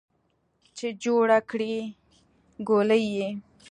چې جوړه کړې ګولۍ یې